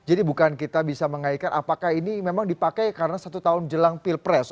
bukan kita bisa mengaitkan apakah ini memang dipakai karena satu tahun jelang pilpres